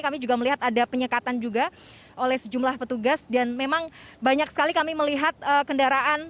kami juga melihat ada penyekatan juga oleh sejumlah petugas dan memang banyak sekali kami melihat kendaraan